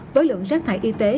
với lượng rác hại y tế